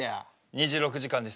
２６時間です。